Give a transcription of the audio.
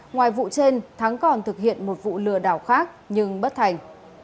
ngoài vụ trên thắng còn thực hiện một vụ lừa đảo khác nhưng bất thành